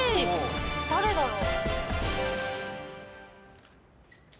誰だろう？